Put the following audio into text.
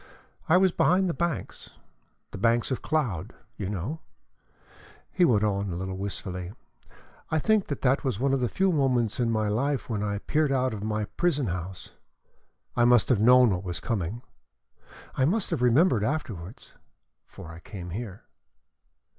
"I was behind the banks the banks of cloud, you know," he went on, a little wistfully. "I think that that was one of the few moments in my life when I peered out of my prison house. I must have known what was coming. I must have remembered afterwards for I came here."